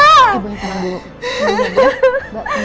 baik deng setel ya